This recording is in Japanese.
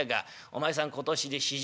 お前さん今年で４５か。